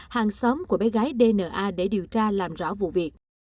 hàng xóm của bé gái dna để điều tra làm rõ vụ việc